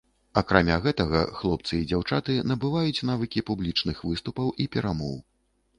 Акрамя гэтага, хлопцы і дзяўчаты набываюць навыкі публічных выступаў і перамоў.